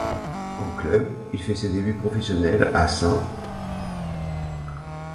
En club, il fait ses débuts professionnels à St.